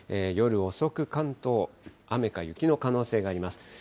夜遅く関東、雨か雪の可能性があります。